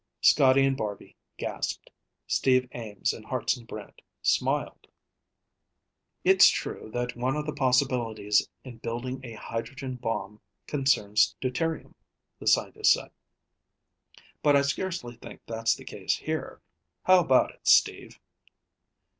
Scotty and Barby gasped. Steve Ames and Hartson Brant smiled. "It's true that one of the possibilities in building a hydrogen bomb concerns deuterium," the scientist said. "But I scarcely think that's the case here. How about it, Steve?"